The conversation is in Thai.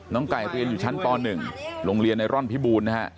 น้องไก่เรียนอยู่ชั้นต่อ๑โรงเรียนในร่อนพิบูลนะฮะ